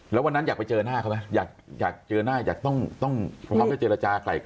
แล้ววันนั้นอยากไปเจอหน้าเขาไหมอยากเจอหน้าอยากต้องพร้อมจะเจรจากลายเกลี่